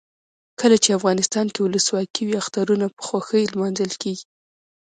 کله چې افغانستان کې ولسواکي وي اخترونه په خوښۍ لمانځل کیږي.